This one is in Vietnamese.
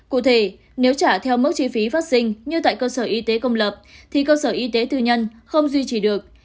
cụ thể nếu trả theo mức chi phí phát sinh như tại cơ sở y tế công lập thì cơ sở y tế tư nhân không duy trì được